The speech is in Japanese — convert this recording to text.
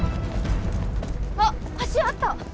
あっ橋あった！